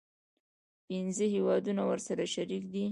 پنځه هیوادونه ورسره شریک دي.